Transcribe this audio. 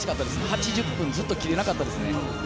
８０分ずっと切れなかったですね。